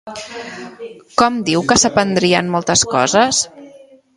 Com diu que s'aprendrien moltes coses?